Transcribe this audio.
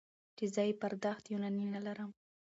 چې زه يې د پرداخت توانايي نه لرم.